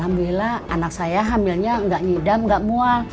alhamdulillah anak saya hamilnya gak nyedam gak mual